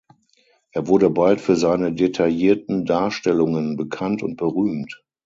Er wurde bald für seine detaillierten Darstellungen bekannt und berühmt.